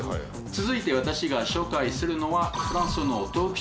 続いて私が紹介するのは。